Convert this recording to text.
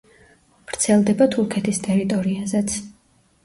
ვრცელდება თურქეთის ტერიტორიაზეც.